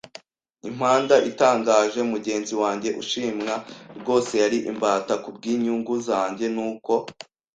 impanda itangaje. Mugenzi wanjye ushimwa rwose yari imbata kubwinyungu zanjye, nuko,